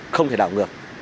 không thể đảo ngược